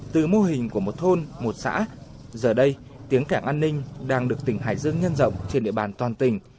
từ mô hình của một thôn một xã giờ đây tiếng cảng an ninh đang được tỉnh hải dương nhân rộng trên địa bàn toàn tỉnh